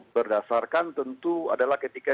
berdasarkan tentu adalah ketika